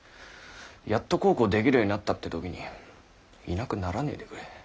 やっと孝行できるようになったって時にいなくならねぇでくれ。